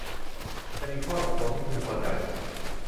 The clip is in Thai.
จะมีข้อตกลงที่พึงพอใจ